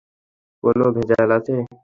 কোন ভেজাল আছে?